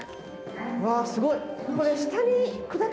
うわすごい。